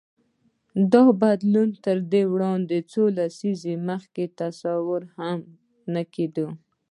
دا بدلون تر دې وړاندې څو لسیزې مخکې تصور هم نه کېده.